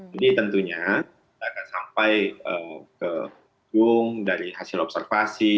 jadi tentunya kita akan sampai ke hukum dari hasil observasi